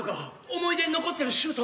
思い出に残ってるシュート。